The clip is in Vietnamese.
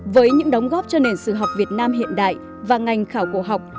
với những đóng góp cho nền sự học việt nam hiện đại và ngành khảo cổ học